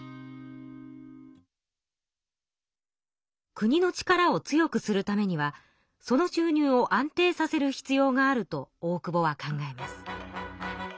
国の力を強くするためにはその収入を安定させる必要があると大久保は考えます。